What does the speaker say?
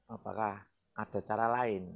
apakah ada cara lain